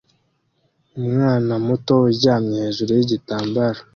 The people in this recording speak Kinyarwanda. Umwana muto uryamye hejuru yigitambaro